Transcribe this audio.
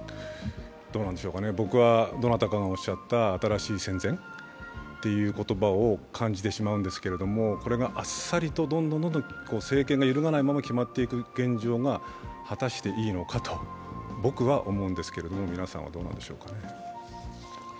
どうなんでしょうかね、僕はどなたかのおっしゃった新しい戦前という言葉を感じてしまうんですけれども、これがあっさりとどんどん政権が揺るがないまま決まっていく現状が果たしていいのかと僕は思うんですけど皆さんはどうなんでしょうか。